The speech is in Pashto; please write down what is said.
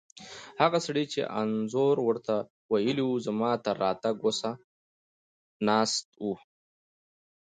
هغه سړی چې انځور ور ته ویلي وو، زما تر راتګه اوسه ناست و.